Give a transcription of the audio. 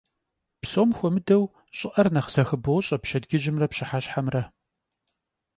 Psom xuemıdeu ş'ı'er nexh zexıboş'e pşedcıjımre pşıheşhemre.